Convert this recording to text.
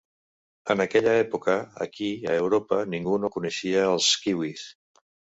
En aquella època aquí a Europa ningú no coneixia els kiwis.